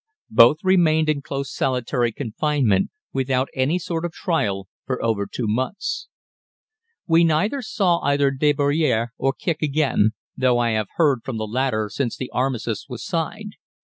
Both remained in close solitary confinement without any sort of trial for over two months. We never saw either Derobiere or Kicq again, though I have heard from the latter since the armistice was signed.